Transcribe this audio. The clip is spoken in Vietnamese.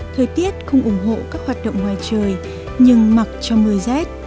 thời tiết không ủng hộ các hoạt động ngoài trời nhưng mặc cho mưa rét